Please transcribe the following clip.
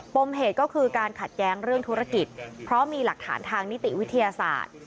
มเหตุก็คือการขัดแย้งเรื่องธุรกิจเพราะมีหลักฐานทางนิติวิทยาศาสตร์